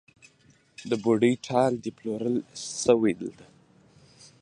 د بوډۍ ټال دی پلورل شوی دلته